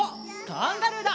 カンガルーだ！